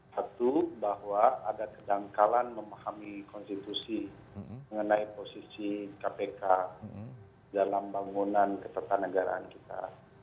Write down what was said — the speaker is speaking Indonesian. satu bahwa ada kedangkalan memahami konstitusi mengenai posisi kpk dalam bangunan ketatanegaraan kita